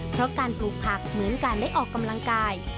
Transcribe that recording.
เพราะการปลูกผักเหมือนการได้ออกกำลังกาย